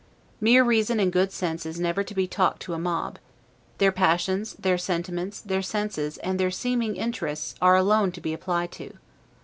Mere reason and good sense is never to be talked to a mob; their passions, their sentiments, their senses, and their seeming interests, are alone to be applied to.